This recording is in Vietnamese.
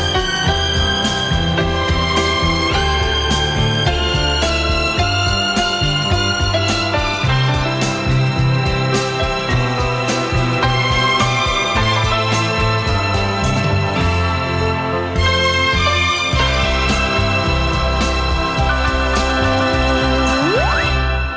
hẹn gặp lại